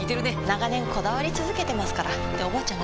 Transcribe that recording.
長年こだわり続けてますからっておばあちゃん